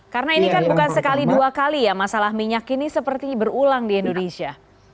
karena ini kan bukan sekali dua kali ya masalah minyak ini seperti berulang di indonesia